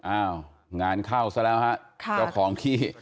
อ้าวงานเข้าซะแล้วฮะเจ้าของที่